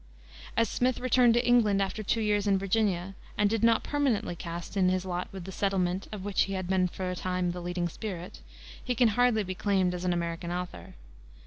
As Smith returned to England after two years in Virginia, and did not permanently cast in his lot with the settlement of which he had been for a time the leading spirit, he can hardly be claimed as an American author.